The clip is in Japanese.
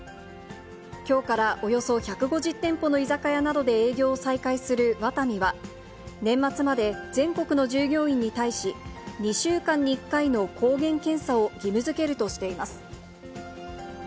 きょうからおよそ１５０店舗の居酒屋などで営業を再開するワタミは、年末まで全国の従業員に対し、２週間に１回の抗原検査を義務づけるとしています。